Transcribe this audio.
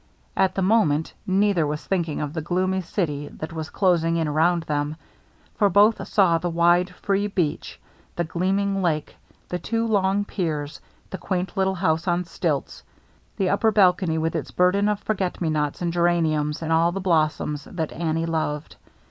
At the moment neither was thinking of the gloomy city that was closing in around them ; for both saw the wide, free beach, the gleaming lake, the two long piers, the quaint little house on stilts, the upper balcony with its burden of forget me nots and geraniums and all the blossoms that Annie loved.